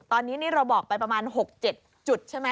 ตอนนี้นี่เราบอกไปประมาณ๖๗จุดใช่ไหม